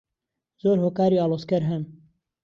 زۆر هۆکاری ئاڵۆزکەر هەن.